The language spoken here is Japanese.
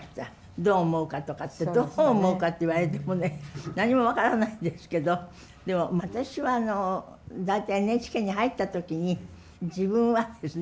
どう思うかとかってどう思うかって言われてもね何も分からないんですけどでも私は大体ＮＨＫに入った時に自分はですね